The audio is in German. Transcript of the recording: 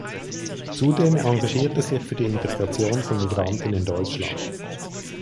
Zudem engagiert er sich für die Integration von Migranten in Deutschland.